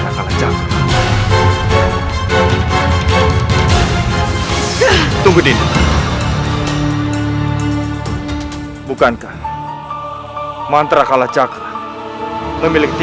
raden raden kamu dihukum mati